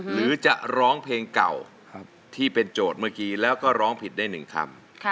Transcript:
หรือจะร้องเพลงเก่าที่เป็นโจทย์เมื่อกี้แล้วก็ร้องผิดได้๑คำ